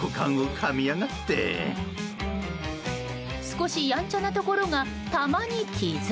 少しやんちゃなところが玉に瑕。